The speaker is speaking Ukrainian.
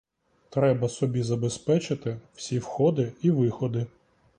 Треба собі забезпечити всі входи і виходи.